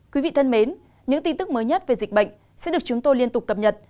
quý vị thân mến những tin tức mới nhất về dịch bệnh sẽ được chúng tôi liên tục cập nhật